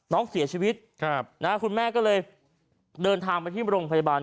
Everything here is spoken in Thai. น้องเสียชีวิตคุณแม่ก็เลยเดินทางไปที่โรงพยาบาล